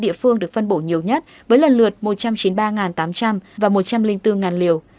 địa phương được phân bổ nhiều nhất với lần lượt một trăm chín mươi ba tám trăm linh và một trăm linh bốn liều